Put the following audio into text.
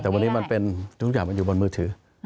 แต่วันนี้มันเป็นทุกอย่างมันอยู่บนมือถือ